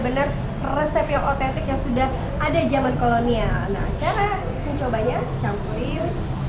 benar resep yang otentik yang sudah ada zaman kolonial nah cara mencobanya campurin